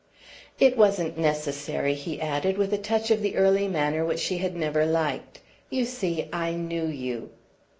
"It wasn't necessary," he added, with a touch of the early manner which she had never liked; "you see, I knew you."